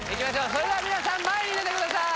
それでは皆さん前に出てください